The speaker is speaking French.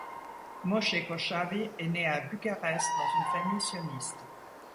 Moshe Kochavi est né à Bucarest dans une famille sioniste.